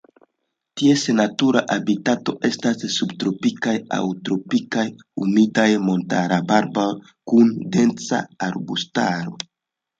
Ties natura habitato estas subtropikaj aŭ tropikaj humidaj montararbaroj kun densa arbustaro.